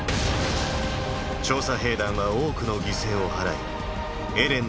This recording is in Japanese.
調査兵団は多くの犠牲を払いエレンの奪還に成功。